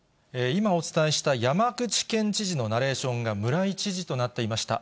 今お伝えした山口県知事のナレーションがむらい知事となっていました。